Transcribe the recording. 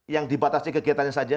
yang dibatasi kegiatannya saja